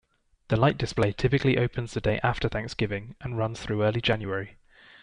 The light display typically opens the day after Thanksgiving and runs through early January.